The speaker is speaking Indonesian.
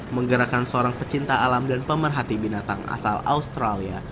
menggerakkan seorang pecinta alam dan pemerhati binatang asal australia